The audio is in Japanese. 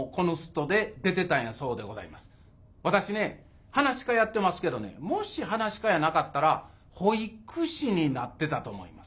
私ね噺家やってますけどねもし噺家やなかったら保育士になってたと思います。